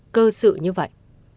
cơ sự như vậy